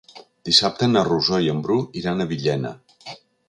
Dissabte na Rosó i en Bru iran a Villena.